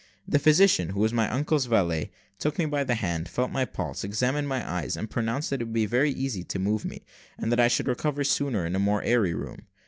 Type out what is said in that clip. The physician (who was my uncle's valet) took me by the hand, felt my pulse, examined my eyes, and pronounced that it would be very easy to move me, and that I should recover sooner in a more airy room.